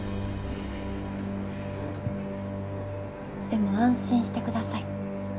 でも安心してください。